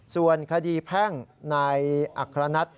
ส่วนคดีแพ่งนายอัครนัท